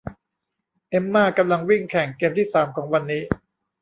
เอมม่ากำลังวิ่งแข่งเกมที่สามของวันนี้